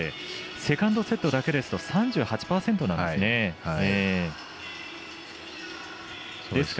セカンドセットだけですと３８％なんですね。